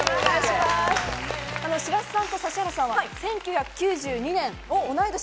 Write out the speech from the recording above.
白洲さんと指原さんは１９９２年、同い年。